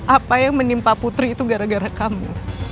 apa yang menimpa putri itu gara gara kamu